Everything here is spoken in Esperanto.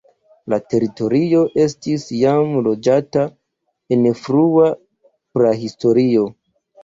La teritorio estis jam loĝata en frua prahistorio.